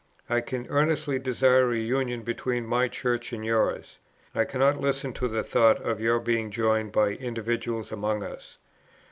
I can earnestly desire a union between my Church and yours. I cannot listen to the thought of your being joined by individuals among us."